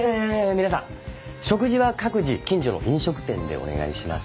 皆さん食事は各自近所の飲食店でお願いします。